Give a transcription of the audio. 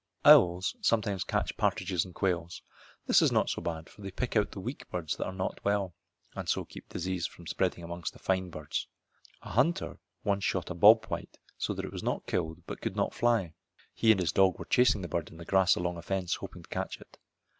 Owls sometimes catch partridges and quails. This is not so bad, for they pick out the weak birds that are not well, and so keep disease from spreading among the fine birds. A hunter once shot a bob white so that it was not killed but could not fly. He and his dog were chasing the bird in the grass along a fence hoping to catch it.